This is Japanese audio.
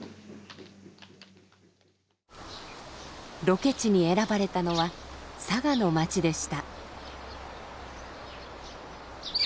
ロケ地に選ばれたのは佐賀の町でした。